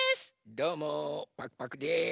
どうもパクパクです！